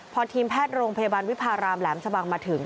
พอทีมแพทย์โรงพยาบาลวิพารามแหลมชะบังมาถึง